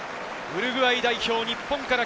ウルグアイ代表、日本から